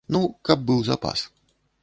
Ну, каб быў запас.